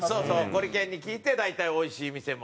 ゴリけんに聞いて大体おいしい店も。